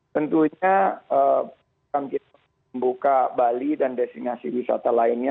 tentunya kita membuka bali dan destinasi wisata lainnya